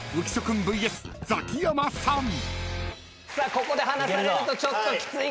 ここで離されるとちょっときついか。